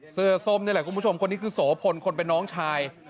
ส้มนี่แหละคุณผู้ชมคนนี้คือโสพลคนเป็นน้องชาย